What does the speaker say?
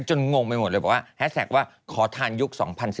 งงไปหมดเลยบอกว่าแฮสแท็กว่าขอทานยุค๒๐๑๘